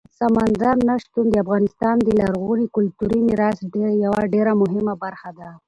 سمندر نه شتون د افغانستان د لرغوني کلتوري میراث یوه ډېره مهمه برخه ده.